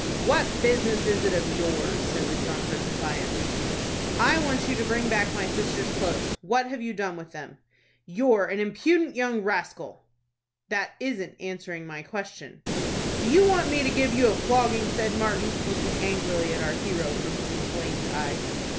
"What business is it of yours?" said the drunkard, defiantly. "I want you to bring back my sister's clothes. What have you done with them?" "You're an impudent young rascal." "That isn't answering my question." "Do you want me to give you a flogging?" asked Martin, looking angrily at our hero from his inflamed eyes.